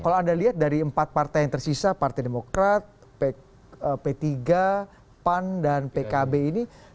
kalau anda lihat dari empat partai yang tersisa partai demokrat p tiga pan dan pkb ini